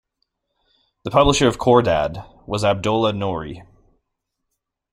The publisher of "Khordad" was Abdollah Noori.